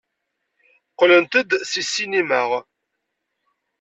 Qqlent-d seg ssinima.